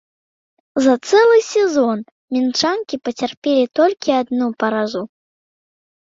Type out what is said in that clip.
За цэлы сезон мінчанкі пацярпелі толькі адну паразу!